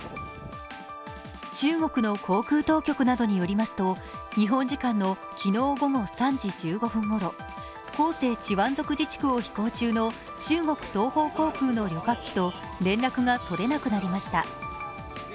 中国の航空当局などによりますと、日本時間の昨日午後３時１５分ごろ広西チワン族自治区を飛行中の中国東方航空の旅客機と連絡が取れなくなりました。